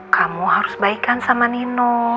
kamu harus baikan sama nino